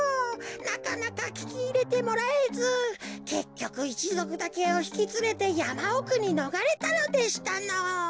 なかなかききいれてもらえずけっきょくいちぞくだけをひきつれてやまおくにのがれたのでしたのぉ。